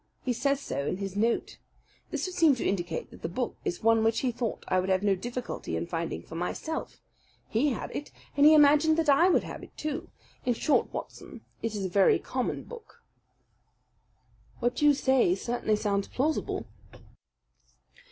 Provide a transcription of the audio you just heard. He says so in his note. This would seem to indicate that the book is one which he thought I would have no difficulty in finding for myself. He had it and he imagined that I would have it, too. In short, Watson, it is a very common book." "What you say certainly sounds plausible."